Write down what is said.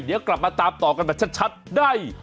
เดี๋ยวกลับมาตามต่อกันแบบชัดได้